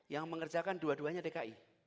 yang mengerjakan dua duanya dki